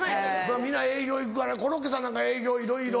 皆営業行くからコロッケさんなんか営業いろいろ。